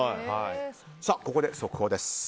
ここで速報です。